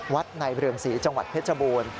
ในเรืองศรีจังหวัดเพชรบูรณ์